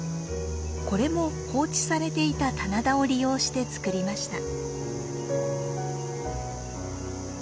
これも放置されていた棚田を利用して作りました。